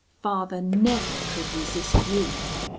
Father never could resist you.